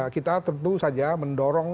kita tentu saja mendorong